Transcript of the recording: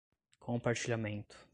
compartilhamento